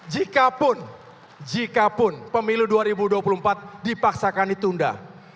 jikapun jikapun pemilu dua ribu dua puluh empat dipaksakan ditunda